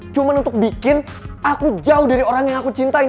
cuma untuk bikin aku jauh dari orang yang aku cintai